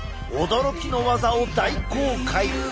驚きのワザを大公開！